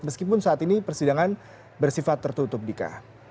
meskipun saat ini persidangan bersifat tertutup dika